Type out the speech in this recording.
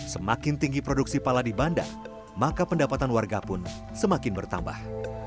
semakin tinggi produksi pala di bandar maka pendapatan warga pun semakin bertambah